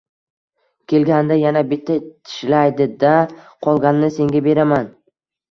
Kelganida yana bitta tishlaydi-da, qolganini senga beraman.